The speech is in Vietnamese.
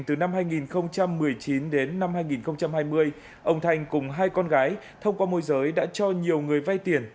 từ năm hai nghìn một mươi chín đến năm hai nghìn hai mươi ông thanh cùng hai con gái thông qua môi giới đã cho nhiều người vay tiền